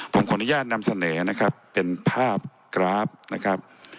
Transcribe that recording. ผมขออนุญาตนำเสนอนะครับเป็นภาพกราฟนะครับ